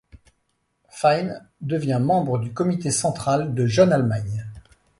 Fein devient membre du comité central de Jeune-Allemagne.